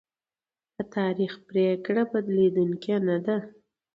د تاریخ پرېکړه بدلېدونکې نه ده.